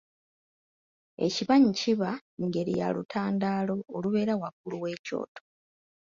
Ekibanyi, kiba ngeri ya lutandaalo olubeera waggulu w'ekyoto.